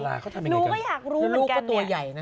ลูกก็อยากรู้เหมือนกันเนี่ย